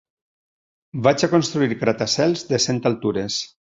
Vaig a construir gratacels de cent altures.